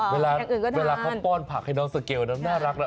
เวลาเขาป้อนผักให้น้องเซเก๋ลน่ารักหน่ะ